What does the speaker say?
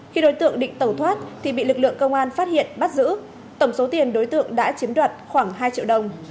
khi đối tượng định tẩu thoát thì bị lực lượng công an phát hiện bắt giữ tổng số tiền đối tượng đã chiếm đoạt khoảng hai triệu đồng